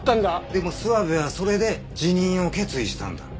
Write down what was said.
でも諏訪部はそれで辞任を決意したんだ。